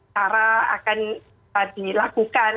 cara akan dilakukan